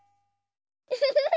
ウフフフ。